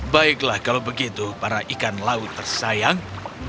baiklah kalau begitu para ikan laut tersayang